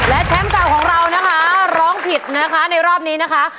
และแชมป์เก่าของเรานะคะร้องผิดนะคะในรอบนี้นะคะ